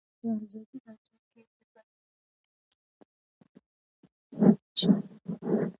په ازادي راډیو کې د بهرنۍ اړیکې اړوند معلومات ډېر وړاندې شوي.